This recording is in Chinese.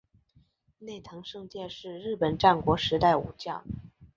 内藤胜介是日本战国时代武将。